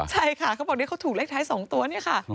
ใช่ค่ะเขาบอกนี่เขาถูกเลขท้าย๒ตัวเนี่ยค่ะ